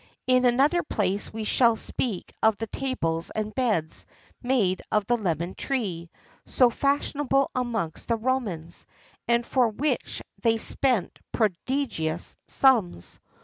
[XIII 35] In another place we shall speak of the tables and beds made of the lemon tree, so fashionable amongst the Romans, and for which they spent prodigious sums.